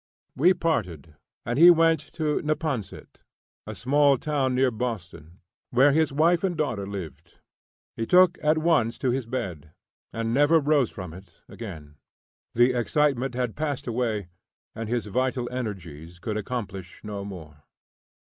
We parted, and he went to Neponset, a small town near Boston, where his wife and daughter lived. He took at once to his bed, and never rose from it again. The excitement had passed away, and his vital energies could accomplish no more.